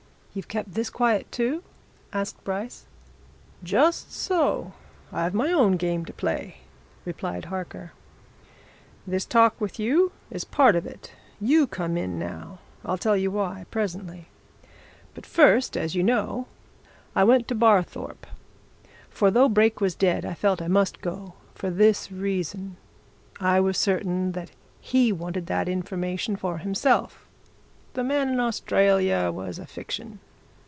"You've kept this quiet, too?" asked Bryce. "Just so I've my own game to play," replied Harker. "This talk with you is part of it you come in, now I'll tell you why, presently. But first, as you know, I went to Barthorpe. For, though Brake was dead, I felt I must go for this reason. I was certain that he wanted that information for himself the man in Australia was a fiction.